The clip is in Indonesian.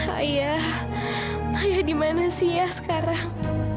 ayah ayah dimana sih ya sekarang